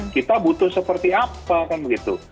kita butuh seperti apa kan begitu